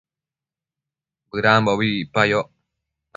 bëdambobi icpayoc